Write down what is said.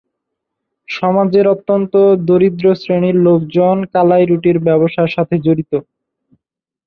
সমাজের অত্যন্ত দরিদ্র শ্রেণীর লোকজন কালাই রুটির ব্যবসার সাথে জড়িত।